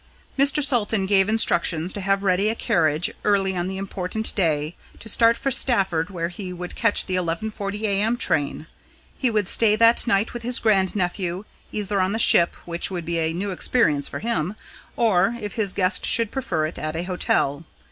Mr. Salton gave instructions to have ready a carriage early on the important day, to start for Stafford, where he would catch the 11.40 a.m. train. He would stay that night with his grand nephew, either on the ship, which would be a new experience for him, or, if his guest should prefer it, at a hotel.